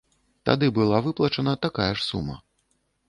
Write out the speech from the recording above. Тады была выплачана такая ж сума.